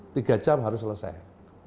tiga jam harus selesai